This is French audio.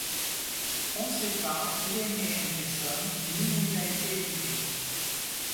On ne sait pas où est né Henryson ni où il a été élevé.